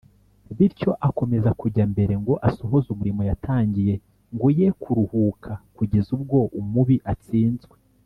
, bityo akomeza kujya mbere ngo asohoze umurimo yatangiye; ngo ye kuruhuka kugeza ubwo umubi atsinzwe